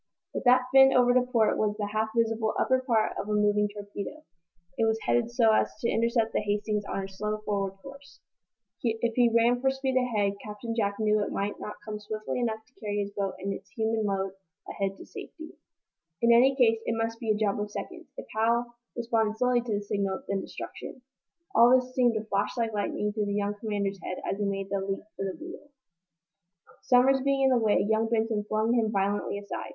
But that fin over to port was the half visible upper part of a moving torpedo! It was headed so as to intercept the "Hastings" on her slow, forward course. If he rang for speed ahead, Captain Jack knew it might not come swiftly enough to carry his boat and its human load ahead to safety. In any case, it must be a job of seconds. If Hal responded slowly to the signal then destruction! All this seemed to flash like lightning through the young commander's head as he made that leap for the wheel. Somers being in the way, young Benson flung him violently aside.